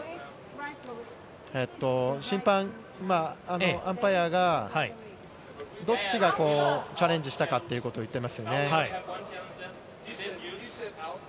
審判、アンパイアがどっちがチャレンジしたかということを言ってますよね。